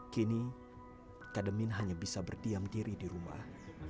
kini kademin hanya bisa berdiam diri di rumah